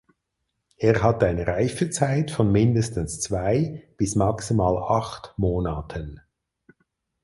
Er hat eine Reifezeit von mindestens zwei bis maximal acht Monaten.